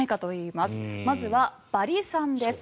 まずはバリ３です。